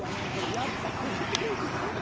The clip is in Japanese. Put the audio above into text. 「やっぱフジテレビだな」